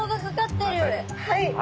はい！